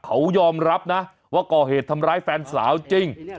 เขายอมรับนะว่าก่อเหตุทำร้ายแฟนสาวจริง